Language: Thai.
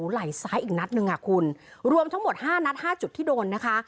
ไหล่ซ้ายอีกนัดหนึ่งอ่ะคุณรวมทั้งหมดห้านัดห้าจุดที่โดนนะคะ